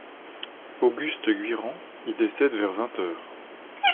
Auguste Gouirand y décède vers vingt heures.